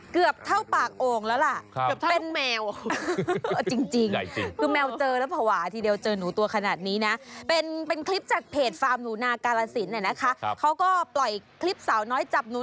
เกือบที่เป้าปากโอ่งแล้วล่ะ